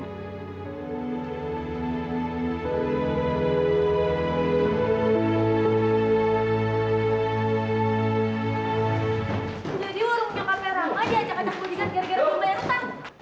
jadi uang nyokapera rama diajak ajak berdiri karena belum bayar hutang